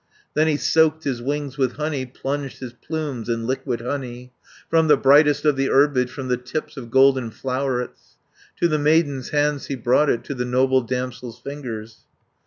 "Then he soaked his wings with honey, Plunged his plumes in liquid honey, From the brightest of the herbage, From the tips of golden flowerets; To the maiden's hands he brought it, To the noble damsel's fingers.